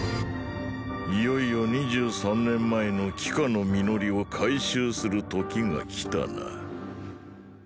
いよいよ二十三年前の“奇貨”の実りを回収する刻が来たな